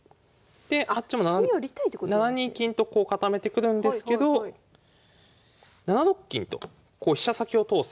であっちも７二金と固めてくるんですけど７六金とこう飛車先を通す。